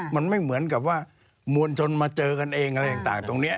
มันไม่เหมือนกับว่ามวลชนมาเจอกันเองอะไรต่างตรงนี้